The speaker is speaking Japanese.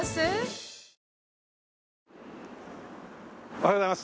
おはようございます。